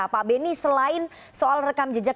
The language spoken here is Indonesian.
pak beni selain soal rekam jejak